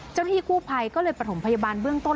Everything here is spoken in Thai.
เจ้าหน้าที่กู้ภัยก็เลยประถมพยาบาลเบื้องต้น